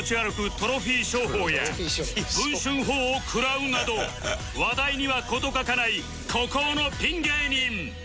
トロフィー商法や文春砲を食らうなど話題には事欠かない孤高のピン芸人